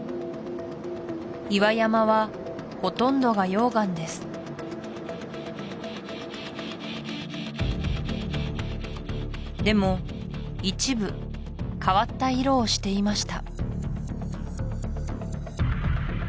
岩山はほとんどが溶岩ですでも一部変わった色をしていました